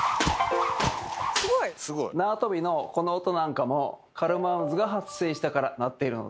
縄跳びのこの音なんかもカルマン渦が発生したからなっているのです。